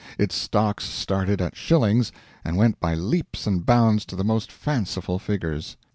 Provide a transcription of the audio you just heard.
Its stocks started at shillings, and went by leaps and bounds to the most fanciful figures.